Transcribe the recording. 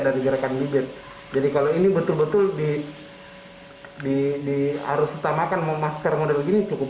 dari gerakan bibir jadi kalau ini betul betul di di di harus tamakan memasker model gini cukup